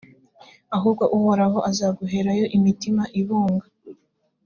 ahubwo uhoraho azaguherayo imitima ibunga,